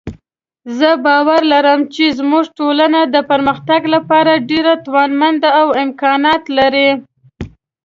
زه باور لرم چې زموږ ټولنه د پرمختګ لپاره ډېره توانمندۍ او امکانات لري